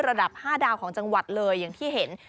ระดับ๕ดาวของจังหวัดเลยอย่างที่เห็น